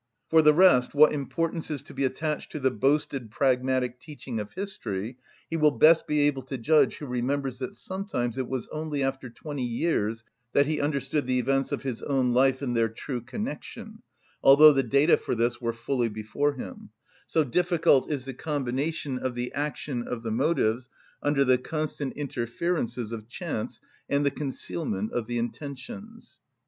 For the rest, what importance is to be attached to the boasted pragmatic teaching of history he will best be able to judge who remembers that sometimes it was only after twenty years that he understood the events of his own life in their true connection, although the data for this were fully before him, so difficult is the combination of the action of the motives under the constant interferences of chance and the concealment of the intentions.